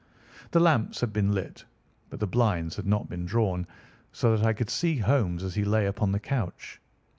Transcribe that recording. The lamps had been lit, but the blinds had not been drawn, so that I could see Holmes as he lay upon the couch.